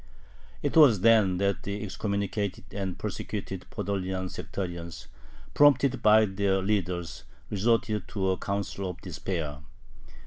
It was then that the excommunicated and persecuted Podolian sectarians, prompted by their leaders, resorted to a counsel of despair.